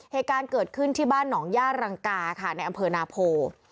เหตุการณ์เกิดขึ้นที่บ้านหนองย่ารังกาค่ะในอำเภอนาโพ